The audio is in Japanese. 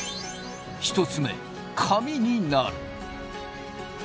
１つ目紙になる。